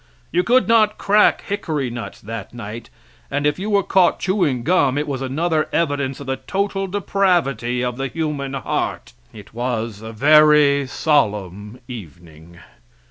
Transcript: You could not crack hickory nuts that night, and if you were caught chewing gum it was another evidence of the total depravity of the human heart. It was a very solemn evening.